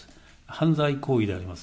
犯罪行為であります。